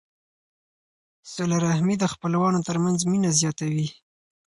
صله رحمي د خپلوانو ترمنځ مینه زیاتوي.